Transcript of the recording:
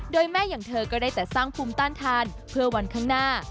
โดยแม่อย่างเธอก็ได้แต่สร้างภูมิต้านทานเพื่อวันข้างหน้า